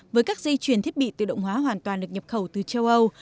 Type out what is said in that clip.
với các dây chuyển thiết bị tự động hóa hoàn toàn được nhập khẩu từ châu âu